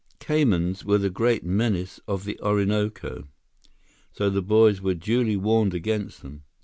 Caymans were the great menace of the Orinoco, so the boys were duly warned against them.